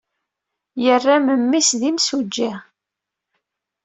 Yerra memmi-s d imsujji.